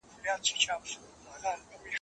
د دوى مخي ته لاسونه پرې كېدله